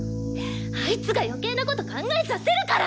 あいつが余計なこと考えさせるから！